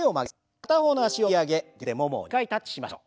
片方の脚を引き上げ両手でももを２回タッチしましょう。